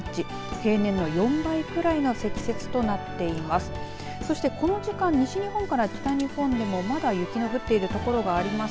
平年の４倍ぐらいの積雪となっています。